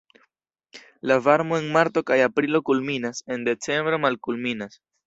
La varmo en marto kaj aprilo kulminas, en decembro malkulminas.